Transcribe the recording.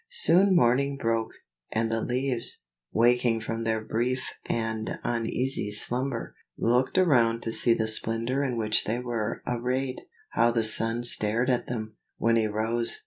Soon morning broke, and the leaves, waking from their brief and uneasy slumber, looked around to see the splendor in which they were arrayed. How the sun stared at them, when he rose.